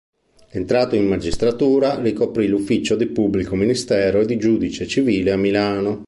Entrato in magistratura, ricoprì l'ufficio di pubblico ministero e di giudice civile a Milano.